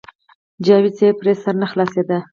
د جاوېد صېب پرې سر نۀ خلاصېدۀ -